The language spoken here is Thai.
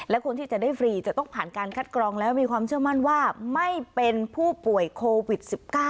และคนที่จะได้ฟรีจะต้องผ่านการคัดกรองแล้วมีความเชื่อมั่นว่าไม่เป็นผู้ป่วยโควิด๑๙